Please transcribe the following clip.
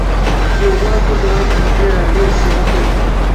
有关负责同志列席了会议。